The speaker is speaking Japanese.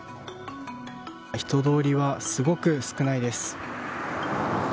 人通りはすごく少ないです。